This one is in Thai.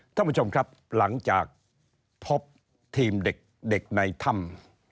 ท่านผู้ชมครับหลังจากพบทีมเด็กในถ้ำ